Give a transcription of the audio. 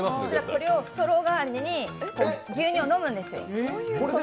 これをストロー代わりに牛乳を飲むんですよ。